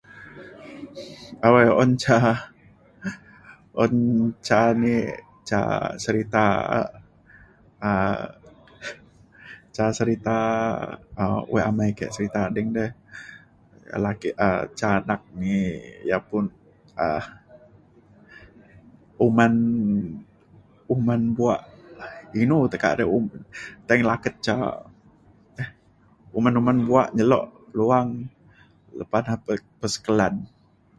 awai un ca un ca ni ca serita um ca serita wek amai ke serita ading de laki um ca anak ni ya pun um uman uman buak inu tekak re tai laket ca uman uman buak nyelo luang. lepah na pe- pesekelan.